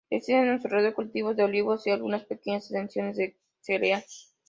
Existen a su alrededor cultivos de olivos y algunas pequeñas extensiones de cereal.